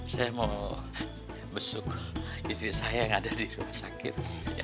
saya mau besuk istri saya yang ada di rumah sakit